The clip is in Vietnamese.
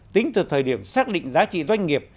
tính từ thời điểm xác định giá trị doanh nghiệp